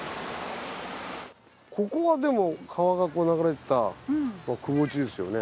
ここはでも川が流れてたくぼ地ですよね。